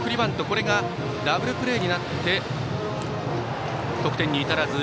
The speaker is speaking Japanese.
これがダブルプレーになって得点に至らず。